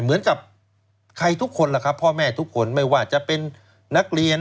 เหมือนกับใครทุกคนล่ะครับพ่อแม่ทุกคนไม่ว่าจะเป็นนักเรียน